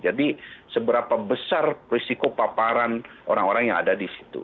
jadi seberapa besar risiko paparan orang orang yang ada di situ